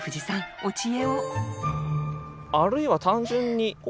お知恵を！